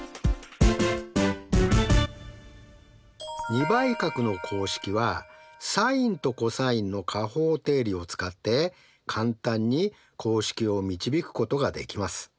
２倍角の公式はサインとコサインの加法定理を使って簡単に公式を導くことができます。